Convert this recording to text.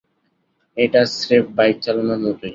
এটা স্রেফ বাইক চালানোর মতোই।